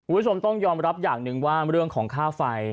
คุณผู้ชมต้องยอมรับอย่างหนึ่งว่าเรื่องของค่าไฟ